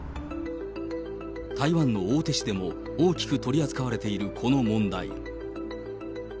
台湾の大手紙でも大きく取り扱われているこの問題。